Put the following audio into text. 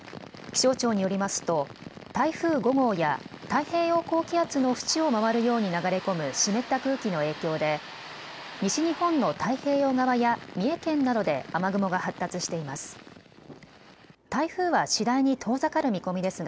気象庁によりますと台風５号や太平洋高気圧の縁を回るように流れ込む湿った空気の影響で西日本の太平洋側や三重県などで雨雲が発達しています。